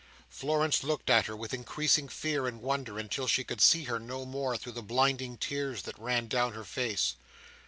Florence looked at her with increasing fear and wonder, until she could see her no more through the blinding tears that ran down her face.